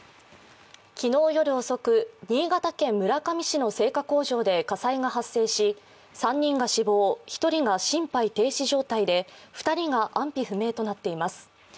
昨日夜遅く新潟県村上市の製菓工場で火災が発生し、３人が死亡、１人が心肺停止状態で２人が安否不明となっています。